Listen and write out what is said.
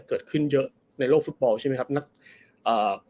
เกิดขึ้นเยอะในโลกฟุตบอลใช่ไหมครับนักอ่า